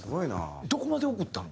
どこまで送ったの？